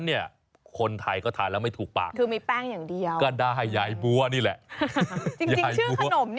ชื่อขนมนี่มาจากชื่อคุณยายหรือครับ